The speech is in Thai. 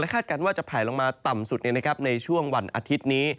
คาดการณ์ว่าจะแผลลงมาต่ำสุดในช่วงวันอาทิตย์นี้